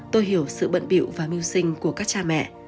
tôi hiểu sự bận biệu và mưu sinh của các cha mẹ